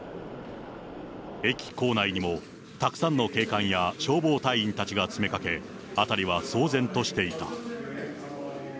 駅構内にも、たくさんの警官や消防隊員たちが詰めかけ、辺りは騒然としていた。